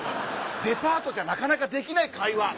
デパートじゃなかなかできない会話！